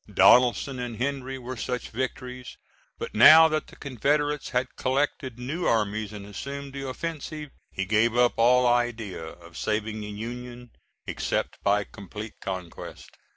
Donelson and Henry were such victories, but now that the Confederates had collected new armies and assumed the offensive, he gave up all idea of saving the Union except by complete conquest.